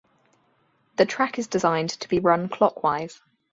The track is designed to be run clockwise.